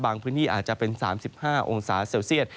พื้นที่อาจจะเป็น๓๕องศาเซลเซียต